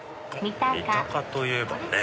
三鷹といえばね。